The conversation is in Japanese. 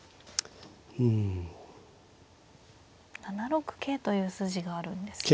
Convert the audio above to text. ７六桂という筋があるんですね。